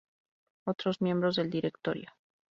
Otros miembros del Directorio.